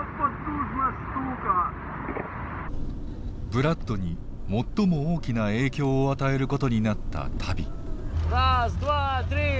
ブラッドに最も大きな影響を与えることになった旅。